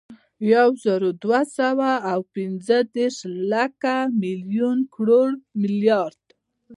یوزرودوهسوه اوپنځهدېرش، لک، ملیون، کروړ، ملیارد